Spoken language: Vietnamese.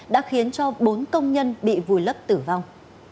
đã khiến cho bốn công nhân bị vùi lấp tử vong